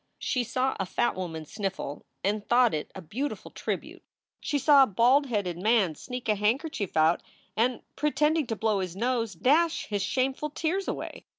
She saw a fat woman sniffle and thought it a beautiful tribute. She saw a bald headed man sneak a handkerchief out and, pretending to blow his nose, dash his shameful tears away.